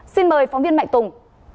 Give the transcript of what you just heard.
xin mời phóng viên mạnh tùng